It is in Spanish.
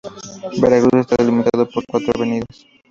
Veracruz está delimitado por cuatro avenidas.